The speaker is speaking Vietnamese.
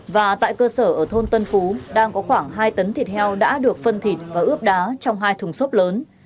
và tại cơ sở ở thôn tân phú đang có khoảng hai tấn thịt heo đã được phân thịt và ướp đá trong hai thùng xốp lớn